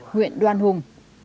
nguyễn đoan hùng